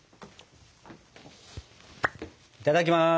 いただきます。